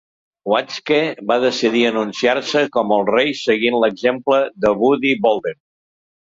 Watzke va decidir anunciar-se com el "rei" seguint l'exemple de Buddy Bolden.